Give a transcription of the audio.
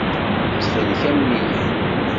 Ttxil-k, amen-iyi.